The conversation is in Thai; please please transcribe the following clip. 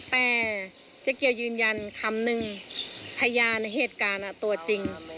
แต่เจ๊เกียวยืนยันคำนึงพยานในเหตุการณ์ตัวจริง